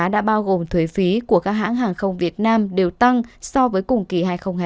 đã bao gồm thuế phí của các hãng hàng không việt nam đều tăng so với cùng kỳ hai nghìn hai mươi hai